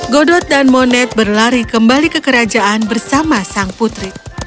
godot dan moned berlari kembali ke kerajaan bersama sang putri